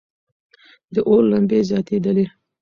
د اور لمبې زیاتېدلې.